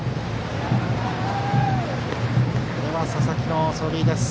佐々木の走塁です。